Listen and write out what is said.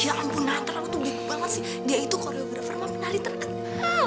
ya ampun nanti lo tuh beli banget sih dia itu koreografer mbak menari terkena